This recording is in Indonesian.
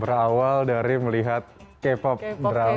berawal dari melihat k pop drama